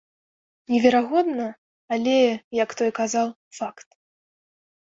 Неверагодна, але, як той казаў, факт.